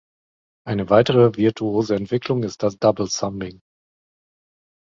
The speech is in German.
Eine weitere virtuose Entwicklung ist das Double-Thumbing.